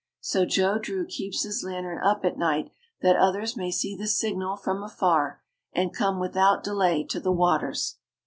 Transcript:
So Joe Drew keeps his lantern up at night that others may see the signal from afar and come without delay to the waters.